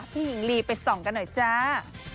หญิงลีไปส่องกันหน่อยจ้า